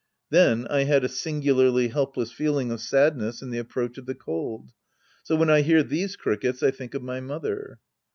Then I had a singularly helpless feeling of sadness and the approach of the cold. So when I hear these crickets, I think of my mother.